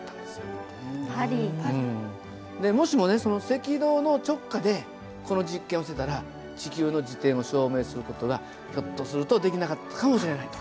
でもしもねその赤道の直下でこの実験をしてたら地球の自転を証明する事がひょっとするとできなかったかもしれないと。